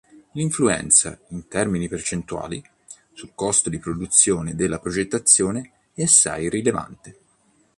L'influenza, in termini percentuali, sul costo di produzione della progettazione è assai rilevante.